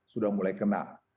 sudah mulai kena